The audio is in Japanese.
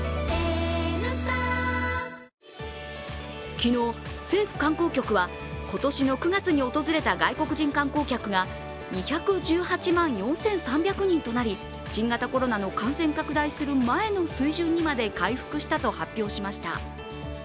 昨日、政府観光局は今年の９月に訪れた外国人観光客が２１８万４３００人となり新型コロナの感染拡大する前の水準にまで、回復したと発表しました。